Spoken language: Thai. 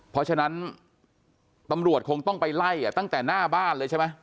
เพราะฉะนั้นตำรวจคงต้องไปไล่ตั้งแต่หน้าบ้านเลยใช่ไหม